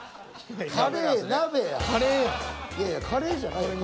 いやいやカレーじゃないよ。